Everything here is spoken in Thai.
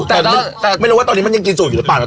แต่ไม่รู้ว่าตอนนี้มันยังกินสูตรอยู่หรือเปล่านะ